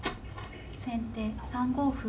先手３五歩。